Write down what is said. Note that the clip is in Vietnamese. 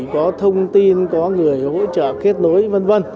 có thông tin có người hỗ trợ kết nối v v